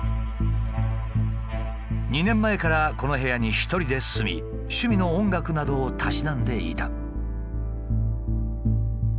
２年前からこの部屋に一人で住み趣味の音楽などをたしなんでいた。